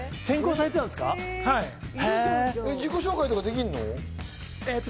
自己紹介とかできんの？